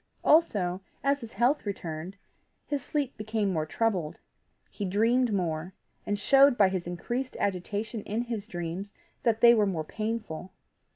Also, as his health returned, his sleep became more troubled; he dreamed more, and showed by his increased agitation in his dreams that they were more painful.